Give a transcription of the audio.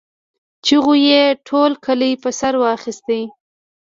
چيغو يې ټول کلی په سر واخيست.